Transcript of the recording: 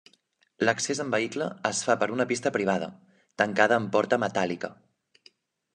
L'accés amb vehicle es fa per una pista privada, tancada amb porta metàl·lica.